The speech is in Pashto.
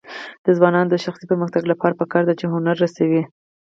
د ځوانانو د شخصي پرمختګ لپاره پکار ده چې هنر رسوي.